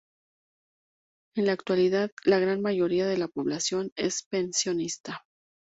En la actualidad la gran mayoría de la población es pensionista.